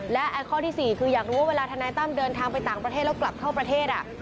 และข้อที่๔คืออยากรู้ว่าเวลาทนายตั้มเดินทางไปต่างประเทศแล้วกลับเข้าประเทศ